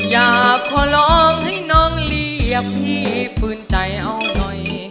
อยากขอร้องให้น้องเรียกพี่ฝืนใจเอาหน่อย